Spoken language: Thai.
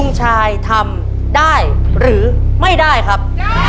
ชายทำได้หรือไม่ได้ครับ